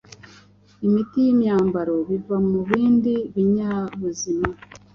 imiti n’imyambaro biva mubindi binyabuzima